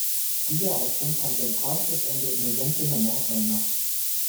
Dieser Aufstand fand sein tragisches Ende in der Sendlinger Mordweihnacht.